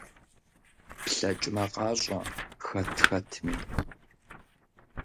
ПлъэкӀмэ, къащӀэ хэт хэтми!